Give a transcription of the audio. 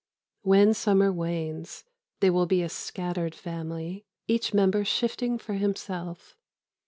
When summer wanes, they will be a scattered family, each member shifting for himself.